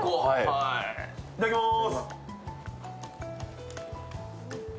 いただきまーす。